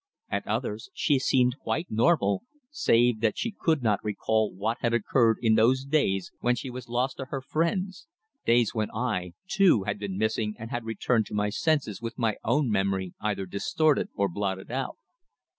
At others she seemed quite normal, save that she could not recall what had occurred in those days when she was lost to her friends days when I, too, had been missing and had returned to my senses with my own memory either distorted or blotted out.